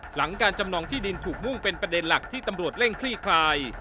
หลังการจำนองที่ดินถูกมุ่งเป็นประเด็นหลักที่ตำรวจเร่งคลี่คลาย